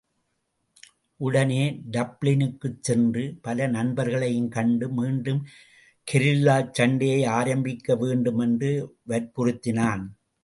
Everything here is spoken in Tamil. உடனே டப்ளினுக்குச் சென்று, பல நண்பர்களையும் கண்டு மீண்டும் கெரில்லாச் சண்டையை ஆரம்பிக்க வேண்டும் என்று வற்புறுத்தினான்.